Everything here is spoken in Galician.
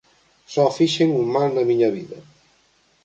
Só fixen un mal na miña vida.